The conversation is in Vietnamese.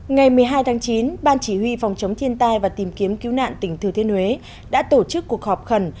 ngày một mươi hai tháng chín ban chỉ huy phòng chống thiên tai và tìm kiếm cứu nạn tỉnh thừa thiên huế đã tổ chức cuộc họp khẩn